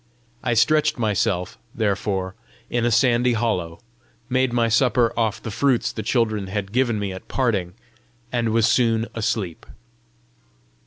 I stretched myself, therefore, in a sandy hollow, made my supper off the fruits the children had given me at parting, and was soon asleep.